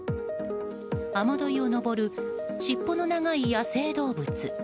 雨どいを上る尻尾の長い野生動物。